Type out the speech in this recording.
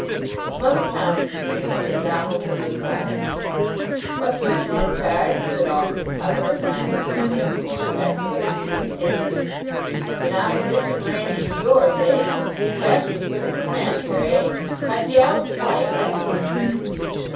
Some other townsmen came up, and Donald drew aside. "What's this, Henchard," said Alderman Tubber, applying his thumb to the corn factor like a cheese taster. "An opposition randy to yours, eh? Jack's as good as his master, eh? Cut ye out quite, hasn't he?"